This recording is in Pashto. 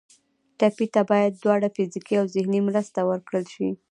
ټپي ته باید دواړه فزیکي او ذهني مرسته ورکړل شي.